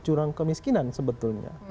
jurang kemiskinan sebetulnya